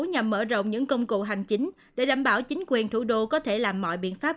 nhằm mở rộng những công cụ hành chính để đảm bảo chính quyền thủ đô có thể làm mọi biện pháp